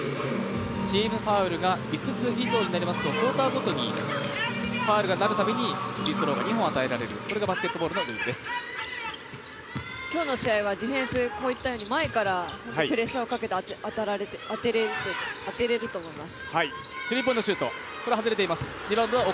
チームファウルが５つ以上になりますと、クオーターごとにファウルがなるたびにフリースローが２本与えられるこれがバスケットボールの今日の試合はディフェンスこういったように前からプレッシャーをかけて、当てられると思います。